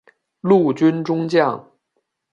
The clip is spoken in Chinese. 陆军中将。